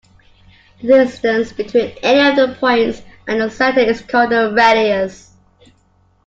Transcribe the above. The distance between any of the points and the centre is called the radius.